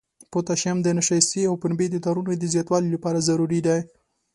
پوتاشیم د نشایستې او پنبې د تارونو د زیاتوالي لپاره ضروري دی.